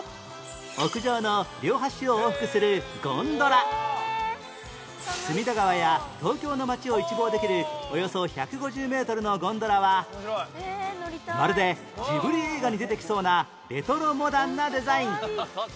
屋上の両端を往復するゴンドラ隅田川や東京の街を一望できるおよそ１５０メートルのゴンドラはまるでジブリ映画に出てきそうなレトロモダンなデザイン